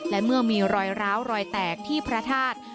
และเมื่อมีรอยร้าวรอยแตกที่พระธาตุ